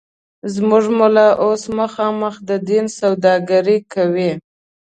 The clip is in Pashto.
زموږ ملا اوس مخامخ د دین سوداگري کوي